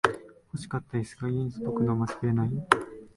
欲しかったイスが家に届くのを待ちきれない